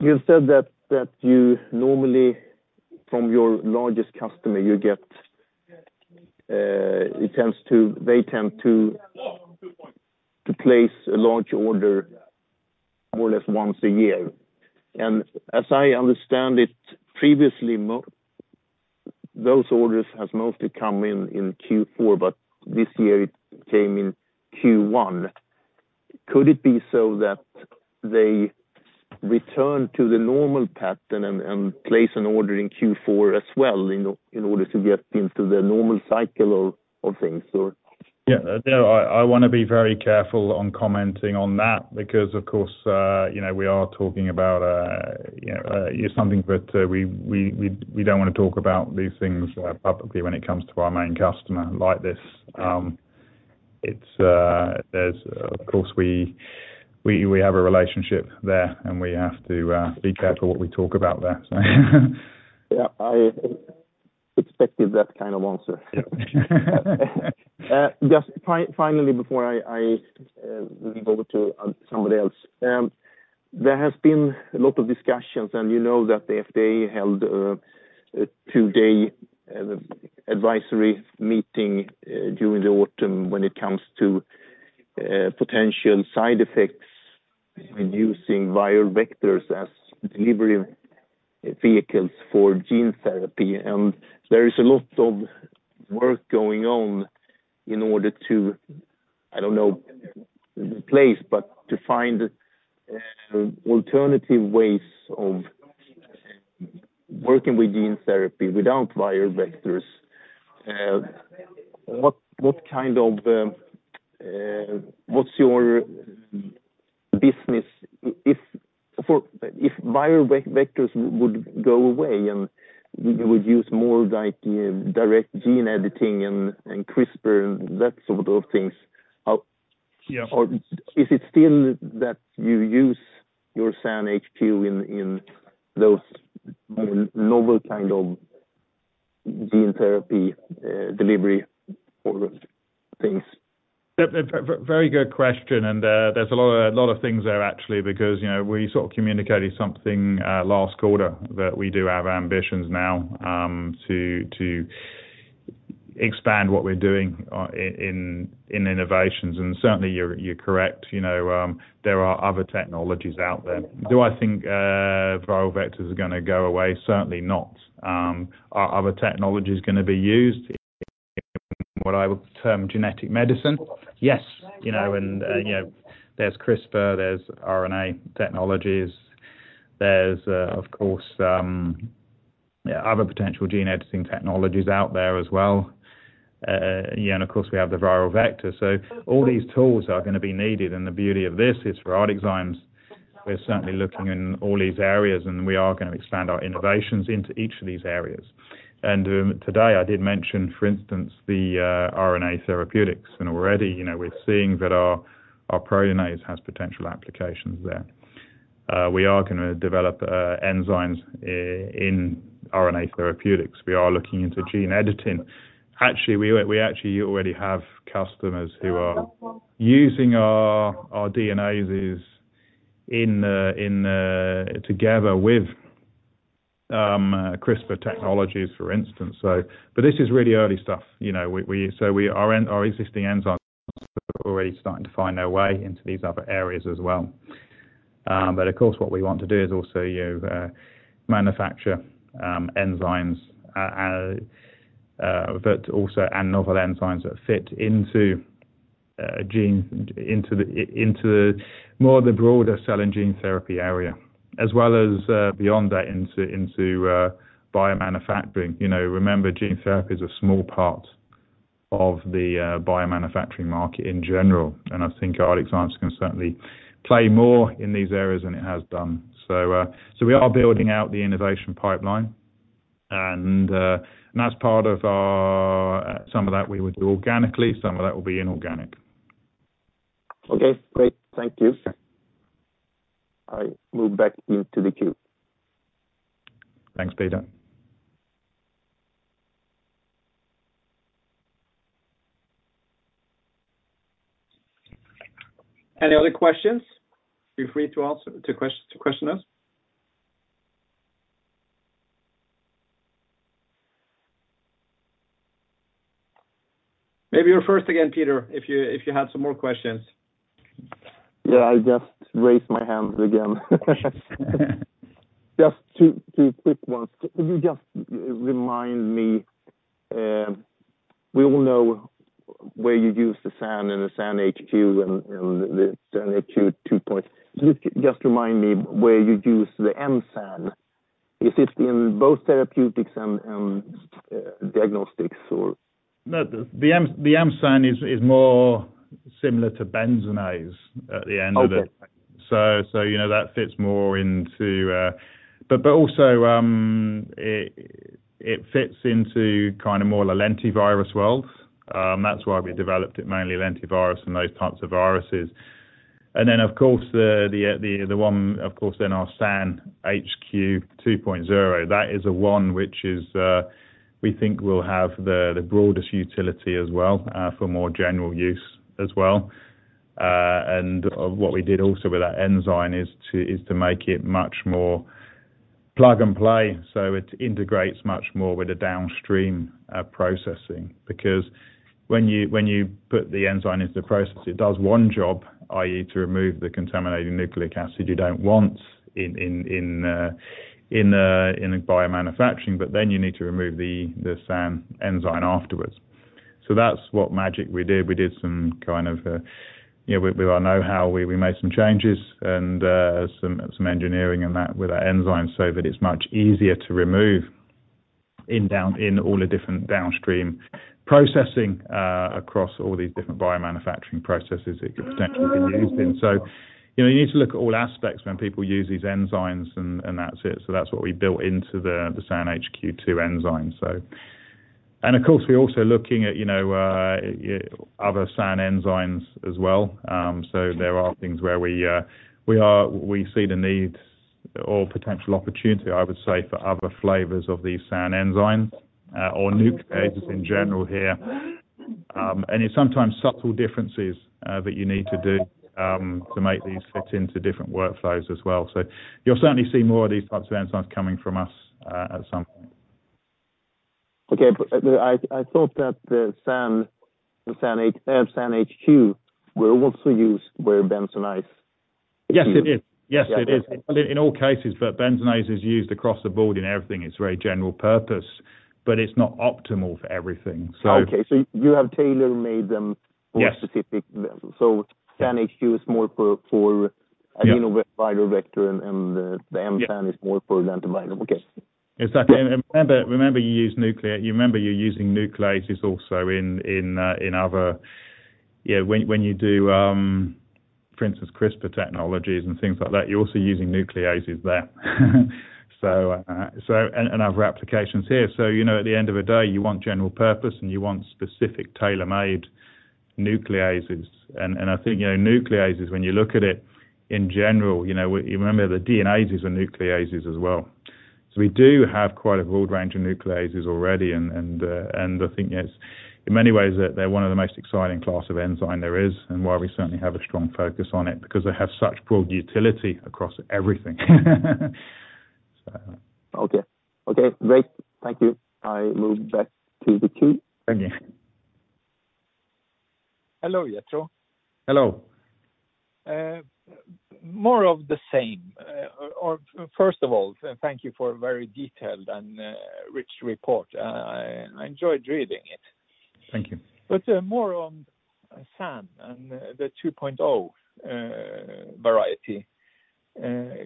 You said that you normally, from your largest customer, you get, they tend to place a large order more or less once a year. As I understand it, previously, those orders has mostly come in Q4, but this year it came in Q1. Could it be so that they return to the normal pattern and place an order in Q4 as well in order to get into the normal cycle of things or? Yeah. You know, I wanna be very careful on commenting on that because, of course, you know, we are talking about, you know, something that, we don't wanna talk about these things, publicly when it comes to our main customer like this. It's, there's, of course, we have a relationship there, and we have to, be careful what we talk about there, so. Yeah. I expected that kind of answer. Yeah. Just finally, before I go to somebody else. There has been a lot of discussions, and you know that the FDA held a two-day advisory meeting during the autumn when it comes to potential side effects when using viral vectors as delivery vehicles for gene therapy. There is a lot of work going on in order to, I don't know, the place, but to find alternative ways of working with gene therapy without viral vectors. What's your business if viral vectors would go away and we would use more like direct gene editing and CRISPR and that sort of things. Yeah. Is it still that you use your SAN HQ in those novel kind of gene therapy delivery or things? Very good question. There's a lot of things there actually because, you know, we sort of communicated something last quarter that we do have ambitions now to expand what we're doing in innovations and certainly you're correct, you know, there are other technologies out there. Do I think viral vectors are gonna go away? Certainly not. Are other technologies gonna be used in what I would term genetic medicine? Yes. You know, there's CRISPR, there's RNA technologies. There's of course other potential gene editing technologies out there as well, and of course, we have the viral vector. All these tools are gonna be needed and the beauty of this is for ArcticZymes, we're certainly looking in all these areas and we are gonna expand our innovations into each of these areas. Today I did mention for instance the RNA therapeutics and already, you know, we're seeing that our proteinase has potential applications there. We are gonna develop enzymes in RNA therapeutics. We are looking into gene editing. Actually we actually already have customers who are using our DNases in together with CRISPR technologies for instance. This is really early stuff. Our existing enzymes are already starting to find their way into these other areas as well. Of course what we want to do is also to manufacture enzymes, but also novel enzymes that fit into the broader cell and gene therapy area, as well as beyond that into biomanufacturing. You know, remember gene therapy is a small part of the biomanufacturing market in general, and I think ArcticZymes can certainly play more in these areas than it has done. We are building out the innovation pipeline, and some of that we would do organically, some of that will be inorganic. Okay, great. Thank you. I will back you to the queue. Thanks, Peter. Any other questions? Feel free to also to question us. Maybe you're first again, Peter, if you had some more questions. Yeah, I just raised my hand again. Just two quick ones. Could you just remind me. We all know where you use the SAN and the SAN HQ and the SAN HQ 2.0. Just remind me where you use the M-SAN HQ. Is it in both therapeutics and diagnostics or? No. The M-SAN is more similar to Benzonase at the end of it. Okay. You know, that fits more into. Also, it fits into kind of more the lentivirus world. That's why we developed it mainly lentivirus and those types of viruses. Then of course the one then our SAN HQ 2.0, that is one which is we think will have the broadest utility as well for more general use as well. And what we did also with that enzyme is to make it much more plug and play so it integrates much more with the downstream processing. Because when you put the enzyme into the process it does one job, i.e. To remove the contaminating nucleic acid you don't want in the biomanufacturing, but then you need to remove the SAN enzyme afterwards. That's what the magic we did. We did some kind of, you know, with our know-how we made some changes and some engineering and that with our enzymes so that it's much easier to remove in downstream, in all the different downstream processing across all these different biomanufacturing processes it could potentially be used in. You know you need to look at all aspects when people use these enzymes and that's it. That's what we built into the SAN HQ two enzyme. Of course we're also looking at, you know, other SAN enzymes as well. There are things where we see the needs or potential opportunity I would say for other flavors of these SAN enzymes, or nucleases in general here. It's sometimes subtle differences that you need to do to make these fit into different workflows as well. You'll certainly see more of these types of enzymes coming from us at some point. I thought that the SAN, the SAN HQ will also be used where Benzonase is used. Yes it is. Yes it is. Yeah, okay. In all cases, Benzonase is used across the board in everything. It's very general purpose, but it's not optimal for everything so. Okay. You have tailor-made them. Yes. More specific than. SAN HQ is more for Yeah. Adenoviral vector and the Yeah. The M-SAN is more for lentivirus. Okay. Exactly. Remember you're using nucleases also. Yeah, when you do, for instance, CRISPR technologies and things like that, you're also using nucleases there and other applications here. You know, at the end of the day, you want general purpose, and you want specific tailor-made nucleases. I think, you know, nucleases, when you look at it in general, you know, you remember the DNases are nucleases as well. We do have quite a broad range of nucleases already. I think it's in many ways they're one of the most exciting class of enzyme there is and why we certainly have a strong focus on it because they have such broad utility across everything. Okay. Okay, great. Thank you. I move back to the queue. Thank you. Hello, Jethro. Hello. More of the same. First of all, thank you for a very detailed and rich report. I enjoyed reading it. Thank you. More on SAN and the 2.0 variety.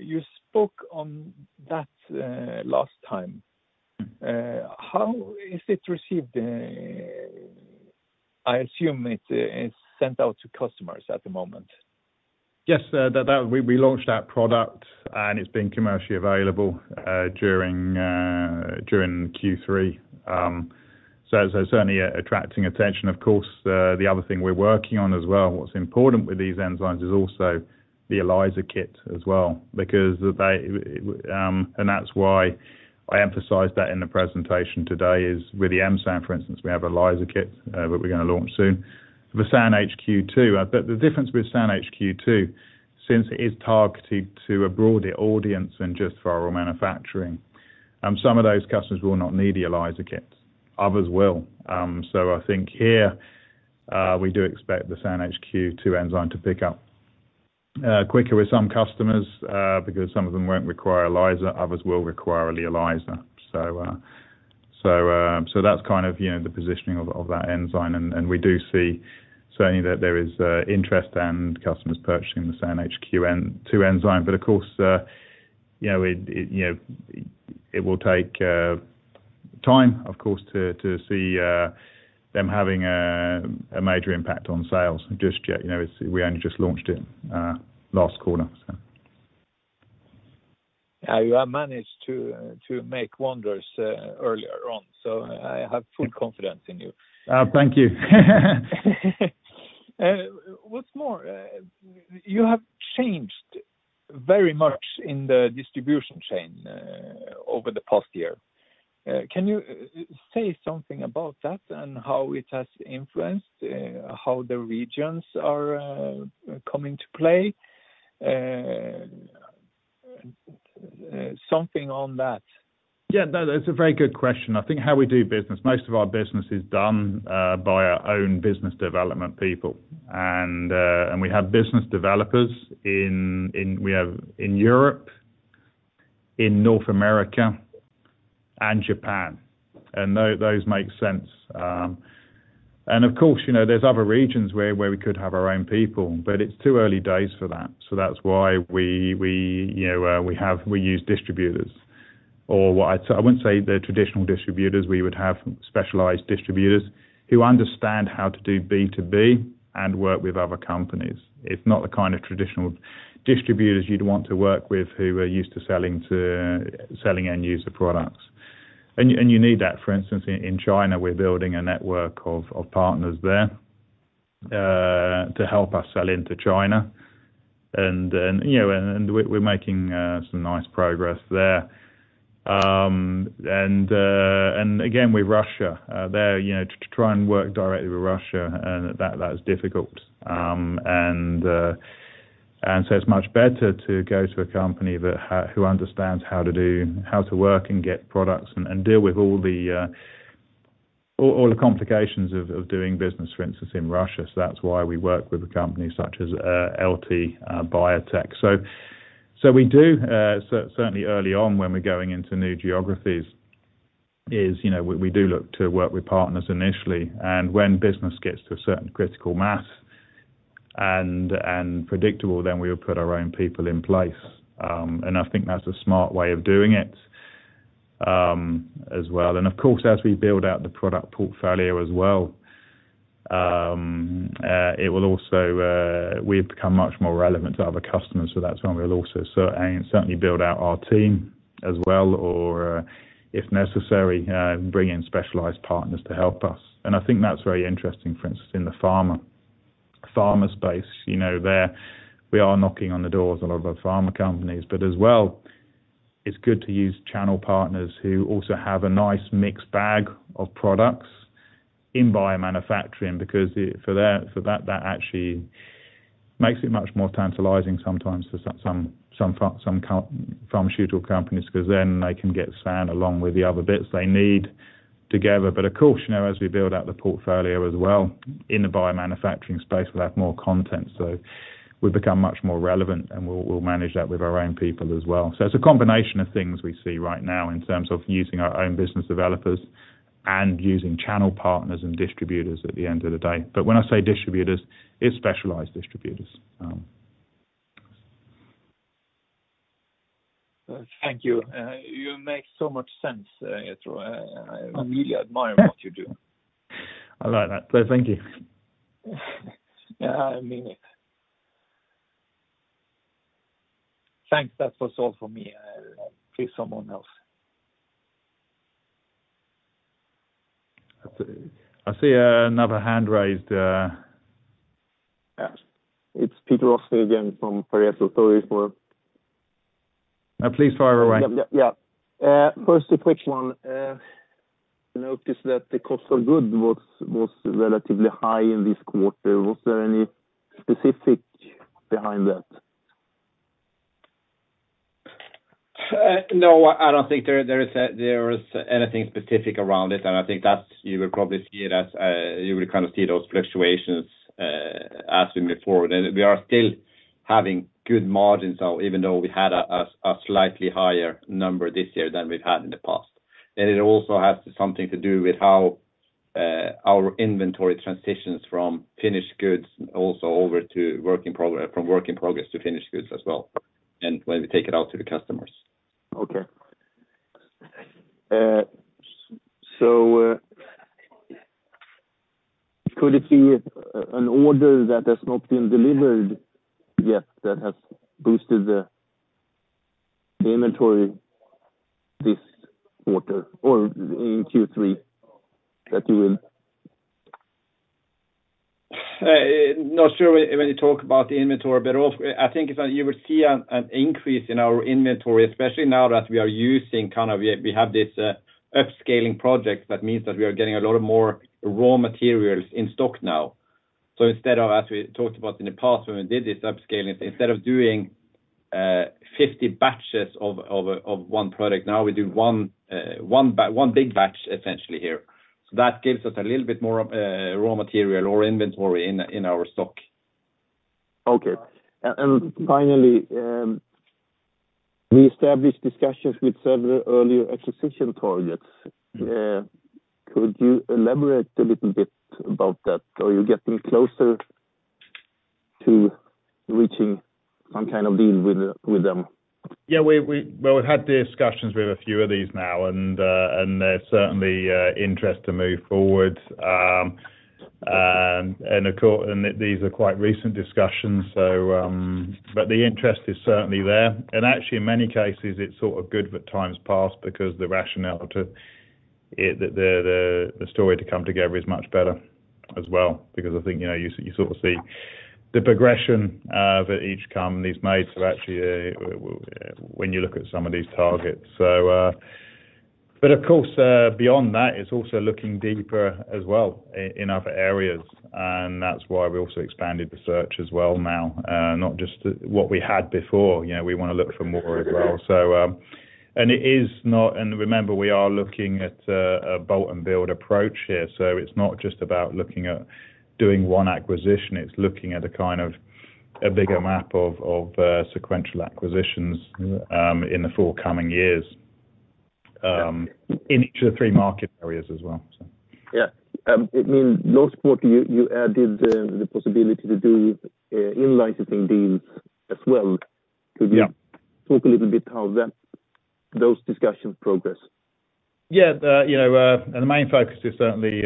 You spoke on that last time. mm-hmm. How is it received? I assume it's sent out to customers at the moment. Yes. We launched that product, and it's been commercially available during Q3. It's certainly attracting attention, of course. The other thing we're working on as well. What's important with these enzymes is also the ELISA kit as well because they. That's why I emphasized that in the presentation today, with the M-SAN, for instance, we have an ELISA kit that we're gonna launch soon. The SAN HQ 2.0, but the difference with SAN HQ 2.0, since it is targeted to a broader audience than just for our manufacturing, some of those customers will not need the ELISA kits. Others will. I think here we do expect the SAN HQ 2.0 enzyme to pick up quicker with some customers because some of them won't require ELISA, others will require the ELISA. That's kind of, you know, the positioning of that enzyme and we do see certainly that there is interest and customers purchasing the SAN HQ 2.0 enzyme. But of course, you know, it will take time, of course, to see them having a major impact on sales just yet. You know, we only just launched it last quarter, so. You have managed to make wonders earlier on, so I have full confidence in you. Thank you. What's more, you have changed very much in the distribution chain over the past year. Can you say something about that and how it has influenced how the regions are coming to play? Something on that. Yeah, no, that's a very good question. I think how we do business, most of our business is done by our own business development people. We have business developers in Europe, in North America, and Japan. Those make sense. Of course, you know, there's other regions where we could have our own people, but it's too early days for that. That's why we you know use distributors or I wouldn't say they're traditional distributors. We would have specialized distributors who understand how to do B2B and work with other companies. It's not the kind of traditional distributors you'd want to work with who are used to selling end user products. You need that. For instance, in China, we're building a network of partners there to help us sell into China. You know, we're making some nice progress there. Again, with Russia, it's difficult to try and work directly with Russia. It's much better to go to a company who understands how to work and get products and deal with all the complications of doing business, for instance, in Russia. That's why we work with a company such as LT Biotech. We do certainly early on when we're going into new geographies, you know, we do look to work with partners initially. When business gets to a certain critical mass and predictable, then we'll put our own people in place. I think that's a smart way of doing it, as well. Of course, as we build out the product portfolio as well, it will also. We've become much more relevant to other customers, so that's when we'll also certainly build out our team as well or, if necessary, bring in specialized partners to help us. I think that's very interesting, for instance, in the pharma space. You know, we are knocking on the doors of a lot of the pharma companies, but as well, it's good to use channel partners who also have a nice mixed bag of products in biomanufacturing because for that actually makes it much more tantalizing sometimes for some pharmaceutical companies 'cause then they can get SAN along with the other bits they need together. But of course, you know, as we build out the portfolio as well in the biomanufacturing space, we'll have more content, so we've become much more relevant, and we'll manage that with our own people as well. It's a combination of things we see right now in terms of using our own business developers and using channel partners and distributors at the end of the day. When I say distributors, it's specialized distributors. Thank you. You make so much sense, I really admire what you do. I like that. Thank you. Yeah, I mean it. Thanks. That was all for me. Please someone else. I see another hand raised. Yes. It's Peter Östling again from Pareto Securities for. Please fire away. Yeah. Yeah. First, a quick one. Noticed that the cost of goods was relatively high in this quarter. Was there any specific behind that? No, I don't think there is anything specific around it. I think that you will probably kind of see those fluctuations as we move forward. We are still having good margins, so even though we had a slightly higher number this year than we've had in the past. It also has something to do with how our inventory transitions from finished goods also over to work in progress, from work in progress to finished goods as well, and when we take it out to the customers. Okay. Could it be an order that has not been delivered yet that has boosted the inventory this quarter or in Q3 that you will? Not sure when you talk about the inventory, but also I think it's that you will see an increase in our inventory, especially now that we have this upscaling project that means that we are getting a lot more raw materials in stock now. Instead of, as we talked about in the past, when we did this upscaling, instead of doing 50 batches of one product, now we do one big batch essentially here. That gives us a little bit more raw material or inventory in our stock. Okay. Finally, we established discussions with several earlier acquisition targets. Mm-hmm. Could you elaborate a little bit about that? Are you getting closer to reaching some kind of deal with them? Yeah. Well, we've had discussions with a few of these now, and there's certainly interest to move forward. Of course, these are quite recent discussions, so but the interest is certainly there. Actually in many cases, it's sort of good that time's passed because the rationale to it, the story to come together is much better as well because I think, you know, you sort of see the progression that each company has made, so actually, when you look at some of these targets. But of course, beyond that, it's also looking deeper as well in other areas, and that's why we also expanded the search as well now, not just what we had before. You know, we wanna look for more as well. Remember, we are looking at a bolt-on build approach here, so it's not just about looking at doing one acquisition, it's looking at a kind of a bigger map of sequential acquisitions in the forthcoming years in each of the three market areas as well. Yeah. It means last quarter you added the possibility to do in licensing deals as well. Yeah. Could you talk a little bit about how those discussions progress? Yeah. You know, the main focus is certainly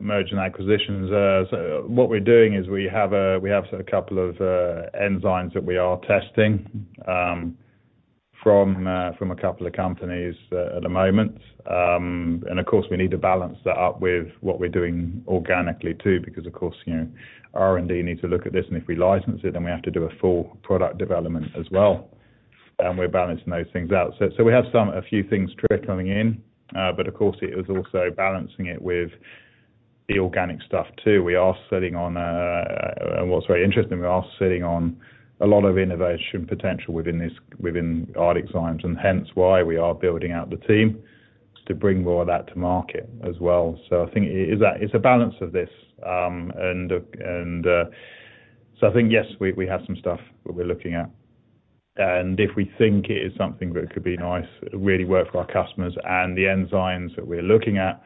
mergers and acquisitions. So what we're doing is we have a couple of enzymes that we are testing from a couple of companies at the moment. Of course, we need to balance that up with what we're doing organically too, because of course, you know, R&D need to look at this, and if we license it, then we have to do a full product development as well. We're balancing those things out. So we have a few things trickling in, but of course it was also balancing it with the organic stuff too. What's very interesting, we are sitting on a lot of innovation potential within this, within ArcticZymes, and hence why we are building out the team to bring more of that to market as well. I think it's a balance of this. I think yes, we have some stuff that we're looking at. If we think it is something that could be nice, really work for our customers and the enzymes that we're looking at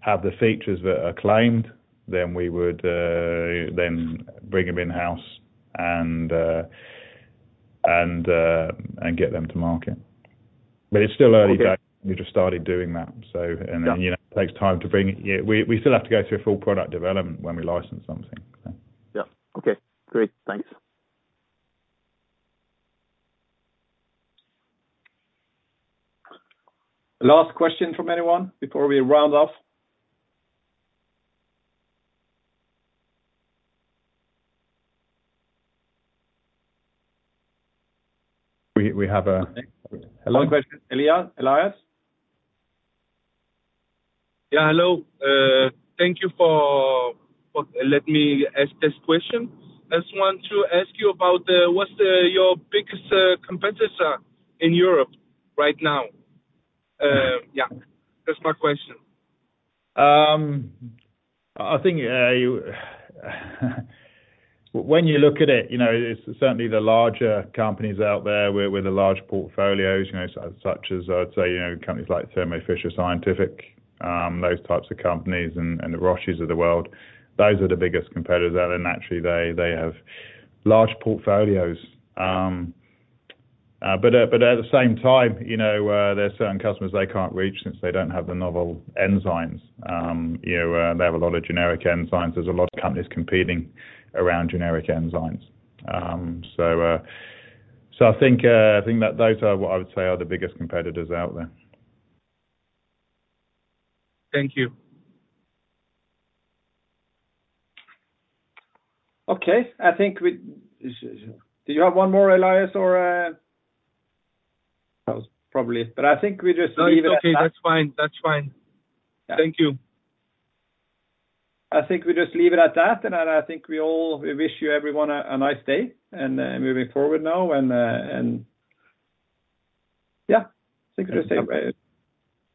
have the features that are claimed, then we would bring them in-house and get them to market. It's still early days. Okay. We just started doing that. Yeah. You know, it takes time to bring it. Yeah, we still have to go through a full product development when we license something. Yeah. Okay. Great. Thanks. Last question from anyone before we round off. We have a- One question. Hello. Elias. Yeah. Hello. Thank you for letting me ask this question. I just want to ask you about what's your biggest competitor in Europe right now. Yeah, that's my question. I think when you look at it, you know, it's certainly the larger companies out there with the large portfolios, you know, such as I'd say, you know, companies like Thermo Fisher Scientific, those types of companies and the Roches of the world. Those are the biggest competitors out there. Naturally they have large portfolios. But at the same time, you know, there are certain customers they can't reach since they don't have the novel enzymes. You know, they have a lot of generic enzymes. There's a lot of companies competing around generic enzymes. So I think that those are what I would say are the biggest competitors out there. Thank you. Okay. Do you have one more, Elias, or that was probably it. I think we just leave it at that. No, it's okay. That's fine. Yeah. Thank you. I think we just leave it at that, and I think we all wish you, everyone, a nice day and moving forward now, and yeah, I think we just say bye. Thank you.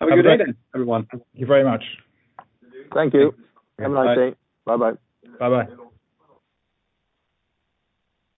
Have a good day then, everyone. Thank you very much. Thank you. Thanks. Have a nice day. Bye. Bye-bye. Bye-bye.